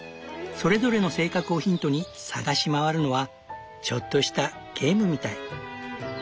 それぞれの性格をヒントに探し回るのはちょっとしたゲームみたい。